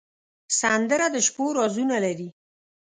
سندره د شپو رازونه لري